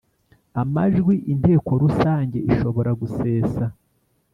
amajwi Inteko Rusange ishobora gusesa